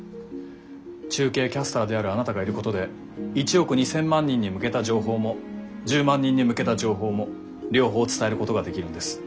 中継キャスターであるあなたがいることで１億２，０００万人に向けた情報も１０万人に向けた情報も両方伝えることができるんです。